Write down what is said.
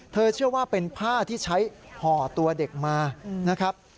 เชื่อว่าเป็นผ้าที่ใช้ห่อตัวเด็กมานะครับ